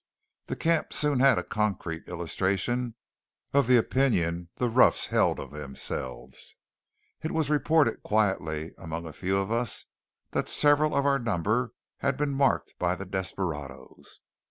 The camp soon had a concrete illustration of the opinion the roughs held of themselves. It was reported quietly among a few of us that several of our number had been "marked" by the desperadoes.